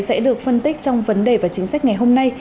nội dung này sẽ được phân tích trong vấn đề và chính sách ngày hôm nay